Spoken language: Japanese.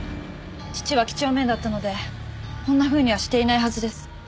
父は几帳面だったのでこんなふうにはしていないはずです。